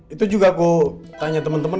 itu juga aku tanya temen temen